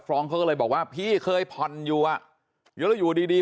ฟรองค์เขาก็เลยบอกว่าพี่เคยผ่อนอยู่อ่ะเดี๋ยวเราอยู่ดีดี